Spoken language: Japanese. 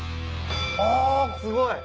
あすごい！